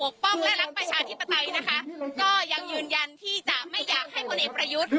ก็ยังยืนยันที่จะไม่อยากให้คนเอกประยุทธ์